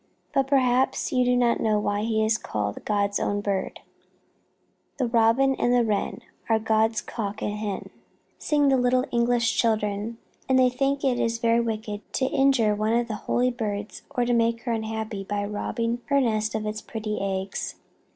But perhaps you do not know why he is called God's own bird. "The Robin and the Wren Are God's cock and hen," sing the little English children, and they think it is very wicked to injure one of the holy birds or make her unhappy by robbing her nest of its pretty eggs.